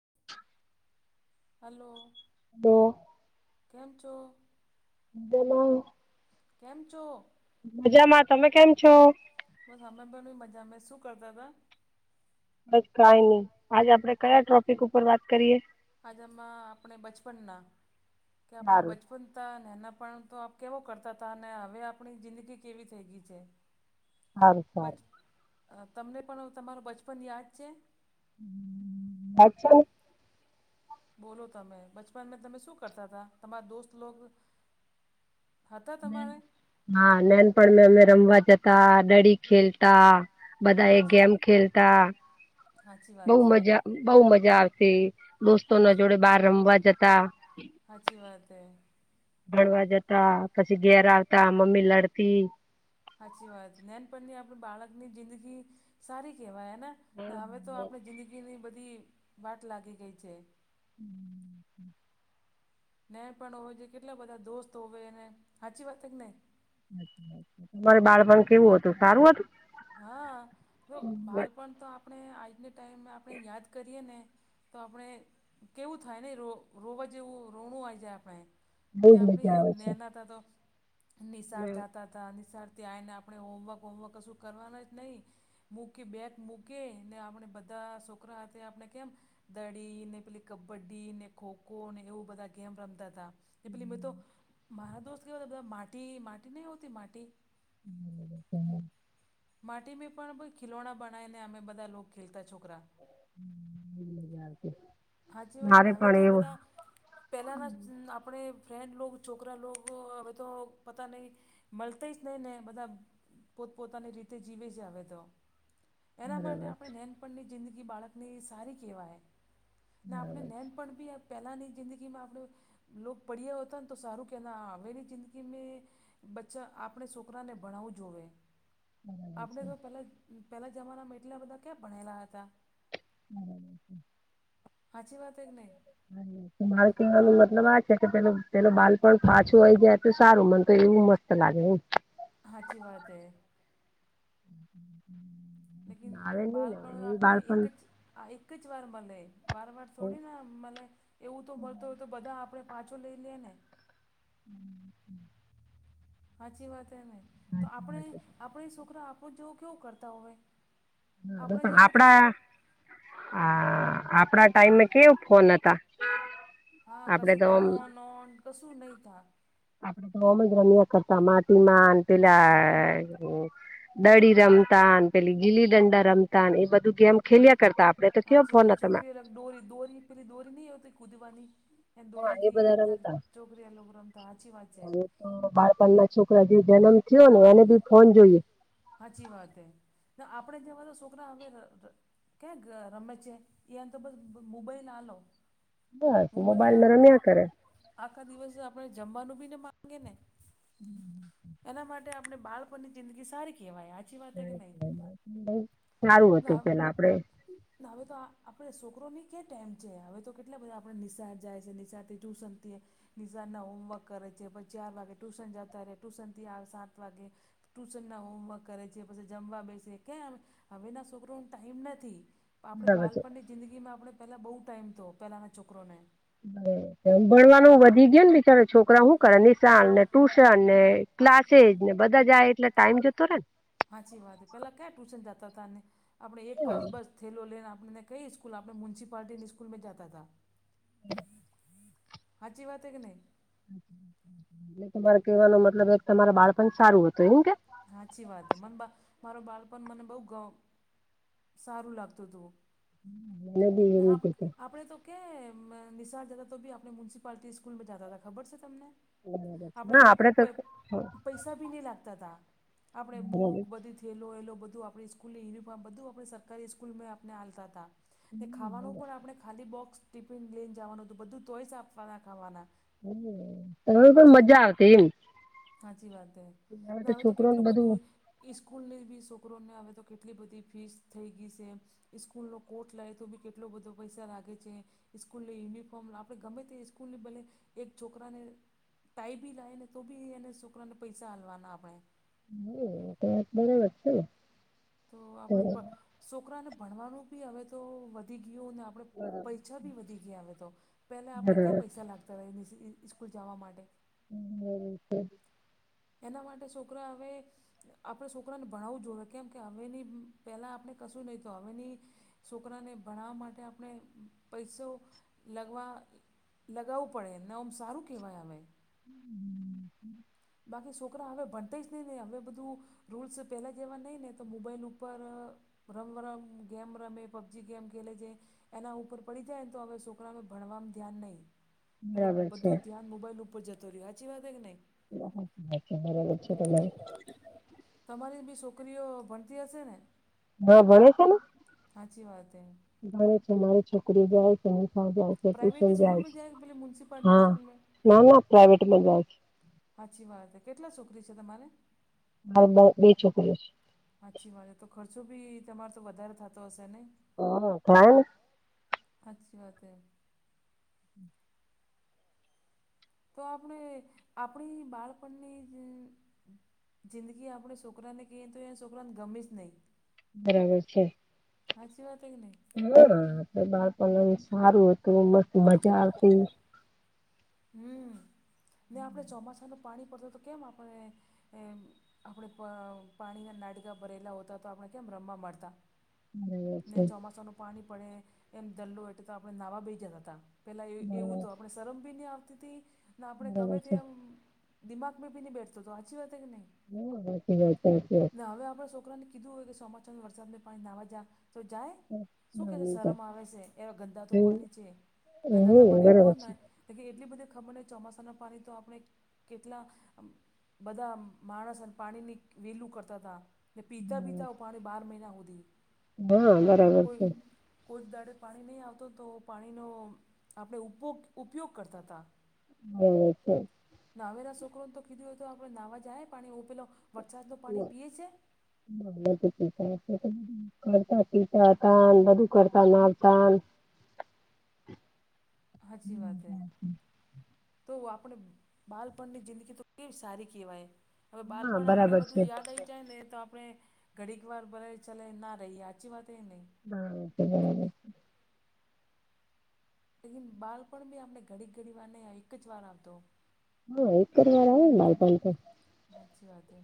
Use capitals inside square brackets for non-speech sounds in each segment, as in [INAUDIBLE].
[INAUDIBLE] Hello. Hello. કેમ ચો? મજામાં. મજામાં તમે કેમ છો? બસ અમે પણ મજામે શું કરતા તા. બસ કાઈ નહી આજે આપડે કયા ટ્રોપિક ઉપર વાત કરીએ. આજે આજામાં આપણે બચપનના કે આપણે બચ બચપણ તા નેનાપણ તો કેવો કરતા તા અને હવે આપણી જિંદગી કેવી થઈ ગઈ છે. હારુ ચાલ. અ તમને પણ અવ તમારુ બચપન યાદ છે? [UNINTELLIGIBLE] બોલો તમે બચપનમાં તમે શું કરતા તા તમાર દોસ્ત લોક નાન. હા, નાનપણ મે અમે રમવા જતા, દડી ખેલતા બધા એ ગેમ ખેલતા બઉ મજા બઉ મજા આવતી દોસ્તોના જોડે બાર રમવા જતા હાચી વાત હે. ભણવા જતા, પછી ઘેર આવતા મમ્મી લડતી સાચી વાત, નાનપણની આપણે બાળકની જિંદગી સારી કેહેવાય હે ને. ને હવે તો આપડે જિંદગીની બધી વાટ લાગી ગઈ છે. [UNINTELLIGIBLE] નેનપણ હોવે જે કેટલા બધા દોસ્ત હોવે ને, હાચી વાત હે ક નઈ? તમારું બાળપણ કેવું હતું? સારુ હતું? હા, બાળપણ તો આ આપણે આજની ટાઈમે આપણે યાદ કરીએ ને તો આપણે કેવું થાય ને રો-રોવા જેવું રોવુ આઈ જાય આપણે. કે આપણે નેના હતા તો નિશાળ જાતા તા. નિશાળથી આઈને આપણે હોમવર્ક-હોમવર્ક કશુ કરવાના જ નઈ મૂકી બેગ મૂકેને આપણે બધા સોકરા સાથે આપણે કેમ દડીને પેલી કબડ્ડીને, ખોખોને એવુ બધા ગેમ રમતા તા, તે પેલી મે તો મારા દોસ્ત કેવા હતા બધા માટી-માટી નઈ હોતી માટી [INAUDIBLE] માટી મે પણ બોલ ખિલોણા બનાઈને અમે બધા લોક ખેલતા છોકરા. હાચી વાત, લાવે તો બધા પહેલાંના આપણે ફ્રેન્ડ લોક છોકરા લોકો હવે તો પતા નઈ મલતે જ નઈ ને બધા પોત-પોતાની રીતે જીવે છે અવે તો એના માટે આપણે નેનપણની જિંદગી બાળકની સારી કેવાય. ને આપણે નેનપણ બી આ પહેલાની જિંદગીમાં આપણે લોકો પડીયા હોતાન તો સારું કે ના મેરી જિંદગી મે બચ્ચા આપણે છોકરાને ભણાવું જોવે. આપણે તો પેલા પહેલા જમાનામાં એટલા બધા ક્યા ભણેલા હતા. બરાબર છે. [UNINTELLIGIBLE] હાચી વાત હે ક નઈ. તમારું કેવાનું મતલબ આ છે કે, પેલુ-પેલુ બાલપણ પાછું આઈ જાય તો સારું. મન તો એવું મસ્ત લાગે હુ. હાચી વાત હે. [INAUDIBLE] લેકીન બાલપણ આપણે એક જ આ એક જ વાર મલે, વારવાર થોડીના મલે. એવું તો મલતુ હોય તો બધા આપડે પાછો લઈ લે ને [INAUDIBLE] સાચી વાત હેને, તો આપણે-આપણે સોકરા આપુ જેવુ કેવું કરતા હોય. આપણે જેવા તો શો હા આપડા ટાઈમે કેવું ફોન હતા હા કસો ફોન નોન [UNINTELLIGIBLE] કશું નઈ થા. આપડે તો ઓમ રમ્યા કરતા, માટીમાંન પેલા દડી રમતાન, પેલી ગીલી દંડા રમતાન, એ બધુ ગેમ ખેલિયા કરતા આપડે તો કેવા ફોન નતામાં ડોરી દોરી પેલી દોરી નનીય તો કુદીવાની એ દોરીથી બધા છોકરી લોકો રમતા હચી વાત છે. તો બાળપણ ના છોકરા જે જન્મ થયો ને એને બી ફોન જોઈએ સાચી વાત હ આપણે ત્યાંમાં તો છોકરા હવે ક્યાં રમે છે એને તો બસ મોબાઈલ આલ હું બાઈ લાવલો તો આખા દિવસ આપણે જમવાનું ભી ન માંગે ને હમ્મ એના માટે આપણે બાળપણની જિંદગી સારી કહેવાય [INAUDIBLE] સારું હતું પેલા આપડે હવે તો આપડે છોકરોની કે ટટેમ છે હવે તો કેટલા બધા આપે નિશાળ જાય છે નિશાળથી ટ્યુશનથી નિશાન ના હોમવર્ક કરે છે પછી ચાર વાગે ટ્યુશન જતા રહે ટ્યુશન થી આ સાત વાગે ટ્યુશન ના હોમવર્ક કરે છે પછી જમવા બેસી હવે ના છોકરો ટાઈમ નથી આપડણે બાલપણની જિંદગીમાં આપણે પહેલાં બહુ ટાઈમ તો પહેલાંના છોકરોને મ ભણવાનું વધી ગય ને બિચાર છોકરા શું કરે નિશાન ને ટુશન ને ક્લાસે જ ને બધા જાય એટલે ટાઈમ જોતો રહેે ને. સાચી વાત પેલા ક્યાં ટ્યુશન જતા હતાને આપણે એક જ બસ થેલો લન આપણે ને કઈ સ્કૂલ આપણે મ્યુનિસિપાલટી સ્કૂલ મે જાતા હતા [INAUDIBLE] હાચી વાત હે કે નહી હમ એલે તમારે કેવાનો મતલબ એક તમારા બાળપણ સારું હતું એમ કે. સાચી વાત મને બા મારો બાળપણ મને બહ ગ સારું લાગતું હતું ને આપણે તો કે નિશાલ જતા તો બી આપણે મ્યુનિસિપાલિટી સ્કૂલમાં જતા હતા ખબર છે તમને આપણે પૈસા ભી નહી લાગતા ત આપણે બુક બધીજ થેયેલો બધું આપણી સ્કૂલની યુનિફોર્મ બધું આપણે સરકારી સ્કૂલમાં આપણે હાલતા હતા ને ખાવાનું પણ આપણે ખાલી બોક્સ ટિફિન લઈને જવાનું હતું બધું તોય જ આપવાના ખાવાના હ તમે પણ મજા આવતી એમ સાચી વાત હ હવે તો કેટલું બધું ઇસ્કૂલની બી છોકરોને આવેવે તો કેટલી બધી ફીસ થઈ ગઈ સે. સ્સ્કૂલ નો કોટ લે તો બી કેટલો બધો પૈસા લાગે છે. સ્કૂલની યુનિફોર્મ આપણે ગમે તે સ્કૂલની ભલે એક છોકરાને ટાઈ બી લાવ ને તો બી એને છોકરાને પૈસા હાલવાના આપણે હમ વાત બરાબર છે તો આપણે છોકરાને ભણવાનું બી હવે તો વધી ગયું ને આપ આપ પૈછા બી વધી ગયા આવે તો પેલા આપણે ક્યાં પૈસા લાગતા સ્કૂલ જવા માટે [UNINTELLIGIBLE] એના માટે છોકરા હવે આપણે છોકરાને ભણાવવું જ જોઈએ કેમ કે હવેની પહેલાં આપણે કશું નહીં તો હવેની છોકરાને ભણાવવા માટે આપણે પૈસો લગવા લગાવવું પડેન ઓમ સારું કહેવાય આમેય. બાકી છોકરા હવે ભણતે જ નહી ને હવે બધું રૂલ્સ પહેલાં જેવા નહીં ને તો મોબાઈલ ઉપર ભરમભરમ ગેમ રમે પબજી ગેમ ખલે છે. એના ઉપર પડી જાય ને તો હવે છોકરાને ભણવાનું ધ્યાન નઈ પેલું બધું ધ્યાન મોબાઈલ ઉપર જતો રહ્યો સાચી વાત કે નઈ બરાબર [UNINTELLIGIBLE] તમારી બી છોકરીઓ ભણતી હશે ને? હા ભણે છે ને ભણે છે મારી છોકરીઓ જાય ઇંગ્લીશમાં જાય છે ટ્યુશનમાં જાય છે હા ના ના પ્રાઈવેટમાં જાય છે. હાચી વાત સે કેટલા છોકરી છે તમારે? માર બ બે છોકરીઓ છે. હાછી વારે તો ખર્ચો બી તમાર તો વધારે થાતો હશે નઈ. હા થાય ને. હાચી વાત હૈ. તો આપને આપણી બાળપણની ઉમ જિંદગી આપડે છોકરાને કહીએ તોયેન છોકરોન ગમે જ નહી. બરાબર છે. હાચી વાત કે નહી. [UNINTELLIGIBLE] બાળપણ સારું હતું મસ્ત મજા આવતી હમ ને આપડે ચોમાસાનું પાણી પડે તો કેમ આપણે એમ આપણે પણ પાણીના નાડકા ભરેલા હોતા તો આપણે કેમ રમવા મડતા. ને ચોમાસા નું પાણી પડે એમ દલ્લો એટલે તો આપણે નાહવા બેહી જતાતા. પેલા એ એવું તો આપણે શરમ બી નહી આવતીતી ને આપણે ગમે તે આમ દિમાગનું બી ની બેઠતો તો હાચી વાત હે કે નહી. હા હાચી વાત સે કે. હવે આપણા છોકરો ને કીધું હોય કે સોમાસાના વરસાદને પાણીમ નાહવા જા તો જાય. શું કે શરમ આવે સે એવા ગંદાતું પાણી છે ગંદાતા પાણી એમ કોણ નાય તેકે એ એટલી બધી ખબર નઈ ચોમાસાના પાણી તો આપણે કેટલા આમ બધા આમ માણસ અને પાણીની વેલું કરતા તા. અને પીતા પીતા હું પાણી બાર મહિના હુદી. [UNINTELLIGIBLE] બરાબર છે. કોઈ દાડે પાણી નહીં આવતો તો પાણીનો આપણે ઉપોગ ઉપયોગ કરતા તા. [UNINTELLIGIBLE] છે. નાવેરા છોકરો ન તો કીધું હોય તો આપણે નાહવા જાયએ પાણી ઓ પેલો વરસાદ નું પાણી પીએ છે. [UNINTELLIGIBLE] કરતા પીતા તાન બધું કરતાન આવતા ન. હાચી વાત હે. તો આપણે બાલપનની જિંદગી તો કેવી સારી કહેવાય. હવે બાલપણ આપણે બધું યાદ આવી જાય ને તો આપણે ઘડી ક વાર ભલે ચલે ના રહીએ હાચી વાત હે નહીં. હા એ તો બરાબર છે. એનું બાલપણ બી આપને ઘડી ઘડી વાર ને એક જ વાર આવતો. હા એક જ વાર આવે ને બાલપણ તો. હાચી વાત હે.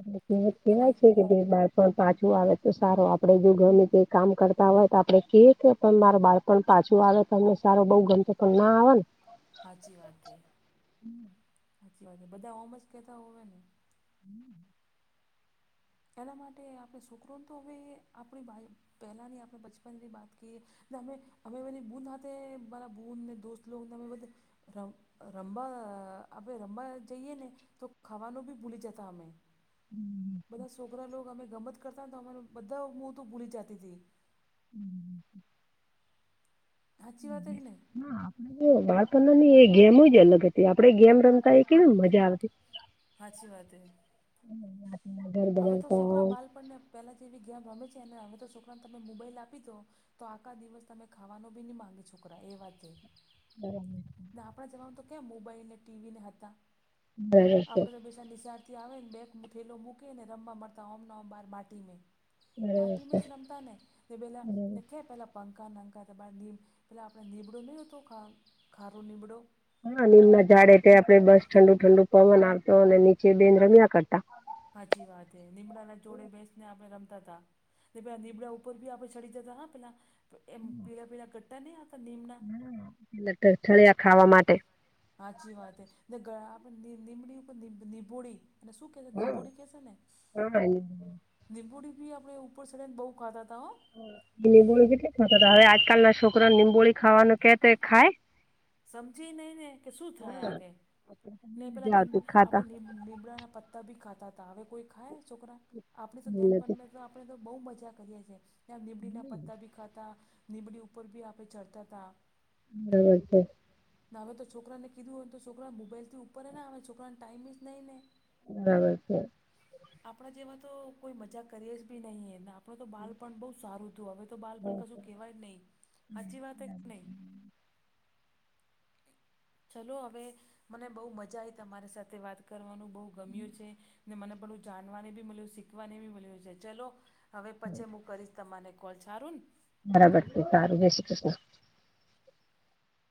એટલે કિંમત કેવાય છે કે બે બા પણ પાછું આવે તો સારું આપડે જો ઘરનું કઈ કામ કરતા હોય તો આપડે કેએકે પણ મારા બાળ પણ પાછું આવે તો અમને સારો બઉ ગમતો પણ ના આવ ન. હાચી વાત હે હાચી વાત બધા ઓમ જ કેતા હોય ને. હમ. એના માટે આપણે છોકરોન તો હવે આપણી બાએ પહેલાંની આપણે બચપનની બાત કીએ ને અમે અમે મની બૂન સાથે મારા બૂનને દોસ્તન લોગ અમે બધા રમ રમવા આપણે રમવા જઈએ ને તો ખાવાનું બી ભૂલી જતા અમે. બધા છોકરા લોક અમે ગમત કરતાન તો અમાર ઓમ બધા મો તો ભૂલી જાતી તી. હમ. હાચી વાત હે કે નહી. આપડ બાળપણનો ની એ ગેમ જ અલગ હતી આપડે ગેમ રમતા એ કેવી મજા આવતી! હાચી વાત એ. હમ્મ. હવે તો છોકરા બાળપણને પહેલા જેવી ગેમ રમે છે ને હવે તો છોકરાને તમે મોબાઈલ આપી દો તો આખા દિવસ તમે ખાવાનો બી ની માંગી છોકરા એ વાતે. બરાબર છે. આપણા જમાન તો કેમ મોબાઈલ ને ટી વીને હતા. આપડે તો નિશારથી આવે ને બેક થેલો મૂકીને રમવા મળતા ઓમના ઓમ બાર માટી મે. માટી મેં શ્રમતા ને પેલા ને ખે પેલા પંખા નાંખાય તમા બ મ પેલાં આપણે નીબડું નહીં તોું ખ ખારું નીબડો? હા નીમ ના ઝાડે તે આપડે બસ ઠંડુ ઠંડુ પવન આવતો અને નીચે બેન રમ્યા કરતા. હાચી વાત હે લીમડા ના જોડે બેસ ને આપણે રમતા તા. પે નીમડા ઉપર બી આપણેે ચડી જતા હા પેલા એમ પીલા પેલા ગટ્ટા ની નીમના? હમ્મ લટચડ્યા ખાવા માટે. હાચી વાત હે ને ગળ આપ ની નીમડી ઉપર ની નિબોડી અને શું કે છે નિંબોડી કે સે ને? નીંબોડી બી આપણે ઉપર સડીને બહુ ખાતા તા હો. નિમબોળ કેટલી ખાવે આજકાલ ના છોકરા નિંબોળી ખાવાનું તો કે ખાય? સમજી નહીં ને કે શું થાય આ કે? ને પેલા નીમ આપણે નીમ નીમડા ના પત્તા ભી ખાતા તા હવે કોઈ ખાય છોકરા આપણી તો નેનપણમેં તો આપણે તો બહુ મજા કરીએ છે લીમડીના પત્તા બી ખાતા નીબડી ઉપર બી આપણે ચઢતા તા. હા બરાબર છે. ને હવે તો છોકરાને કીધું હોયને તો છોકરા મોબાઈલથી ઉપરે એ આવે છોકરાને ટાઈમસ નહીં ને. બરાબર છે. આપણા જેવા તો કોઈ મજા કરીએ જ બ નહીં એના. આપણ તો બાલ પણ બહુ સારું તું હવે તો બાલ પણ કશું કહેવાય નહી. હાચી વાત કે નહી? ચલો હવે મને બહુ મજા આવી તમારી સાથે વાત કરવાનું. બઉ ગમ્યો છે ને મને બધું જાણવાને બી મળ્યું, શીખવાને બી મળ્યું છે ચલો હવે પછે મું કરીશ તમાને કોલ સારું ને? બરાબર છે સારું જય શ્રી કૃષ્ણ.